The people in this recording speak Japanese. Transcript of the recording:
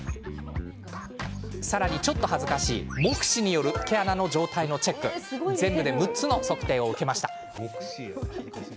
ちょっと恥ずかしい目視による毛穴の状態チェックなど全部で６つの測定を受けました。